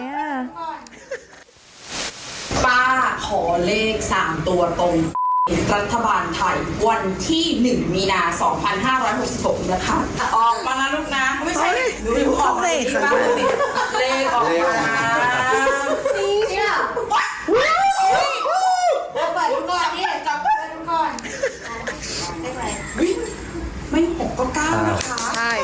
อันนี้เลิก